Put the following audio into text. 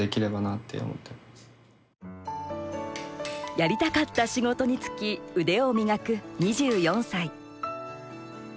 やりたかった仕事に就き腕を磨く２４歳。